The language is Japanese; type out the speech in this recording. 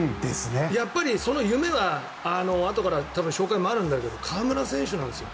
やっぱりその夢はあとから紹介もあるんだけど河村選手なんですよ。